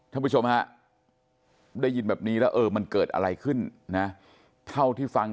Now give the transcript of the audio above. ท่านผู้ชมฮะได้ยินแบบนี้แล้วเออมันเกิดอะไรขึ้นนะเท่าที่ฟัง